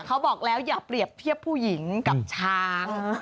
เขาบอกแล้วอย่าเปรียบเทียบผู้หญิงกับช้าง